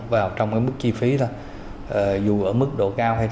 vào trong cái mức chi phí đó